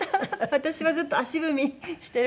私はずっと足踏みしている感じで。